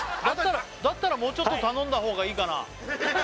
だったらもうちょっと頼んだ方がいいかな？